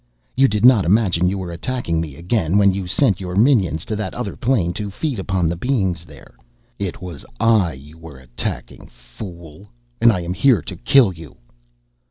You did not imagine you were attacking me again when you sent your minions to that other plane to feed upon the beings there. It was I you were attacking, fool, and I am here to kill you."